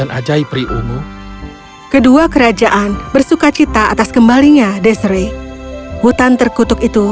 rajai priumu kedua kerajaan bersuka cita atas kembalinya desiree hutan terkutuk itu